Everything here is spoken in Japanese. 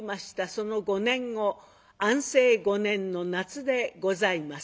その５年後安政５年の夏でございます。